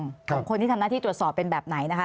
ของคนที่ทำหน้าที่ตรวจสอบเป็นแบบไหนนะคะ